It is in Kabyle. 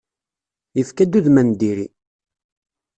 Yefka-d udem n diri.